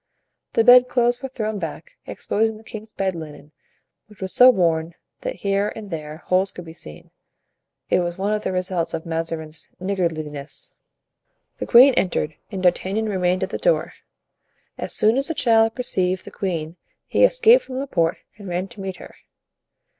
The bedclothes were thrown back, exposing the king's bed linen, which was so worn that here and there holes could be seen. It was one of the results of Mazarin's niggardliness. The queen entered and D'Artagnan remained at the door. As soon as the child perceived the queen he escaped from Laporte and ran to meet her.